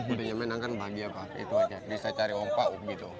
kuda yang menang kan bahagia pak itu saja bisa cari ompak gitu